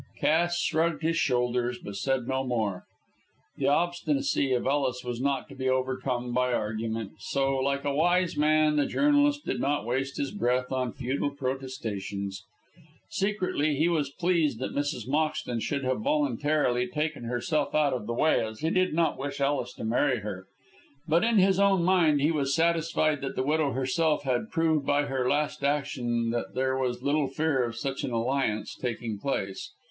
Cass shrugged his shoulders, but said no more. The obstinacy of Ellis was not to be overcome by argument, so, like a wise man, the journalist did not waste his breath in futile protestations. Secretly he was pleased that Mrs. Moxton should have voluntarily taken herself out of the way, as he did not wish Ellis to marry her. But in his own mind he was satisfied that the widow herself had proved by her last action that there was little fear of such an alliance taking place.